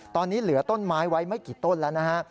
ตอนนี้เหลือต้นไม้ไว้ไม่กี่ต้นแล้วนะฮะ